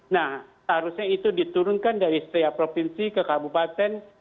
nah harusnya itu diturunkan dari setiap provinsi ke kabupaten